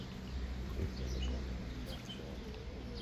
Zirt edo zart egin beharra zegoen.